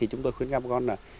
chúng tôi khuyến khích các con